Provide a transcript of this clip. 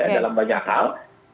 dalam banyak hal